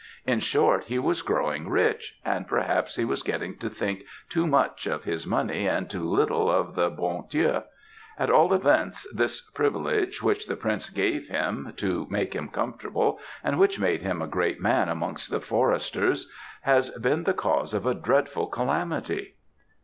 In short, he was growing rich, and perhaps he was getting to think too much of his money and too little of the bon Dieu at all events, this privilege which the prince gave him to make him comfortable, and which made him a great man amongst the foresters, has been the cause of a dreadful calamity.'